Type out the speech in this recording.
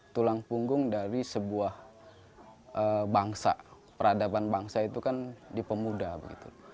tulang punggung dari sebuah bangsa peradaban bangsa itu kan di pemuda begitu